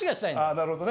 なるほどね。